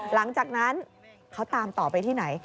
หลังจากนั้นเขาตามต่อไปที่ไหน